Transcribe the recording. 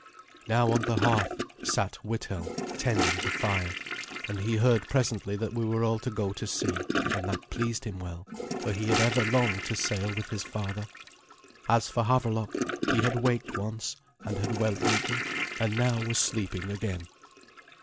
Now on the hearth sat Withelm, tending the fire, and he heard presently that we were all to go to sea; and that pleased him well, for he had ever longed to sail with his father. As for Havelok, he had waked once, and had well eaten, and now was sleeping again.